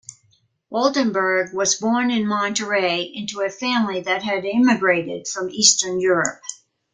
Woldenberg was born in Monterrey into a family that had immigrated from Eastern Europe.